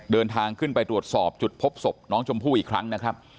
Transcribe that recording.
เดินทางขึ้นไปตรวจสอบจุดพบศพน้องชมพู่อีกครั้งนะครับ